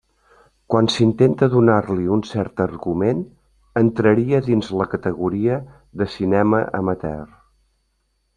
Quan s'intenta donar-li un cert argument, entraria dins la categoria de cinema amateur.